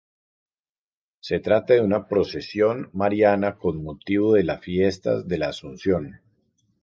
Se trata de una procesión mariana con motivo de la fiesta de la Asunción.